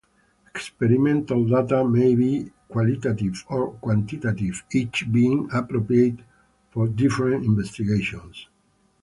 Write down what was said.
Experimental data may be qualitative or quantitative, each being appropriate for different investigations.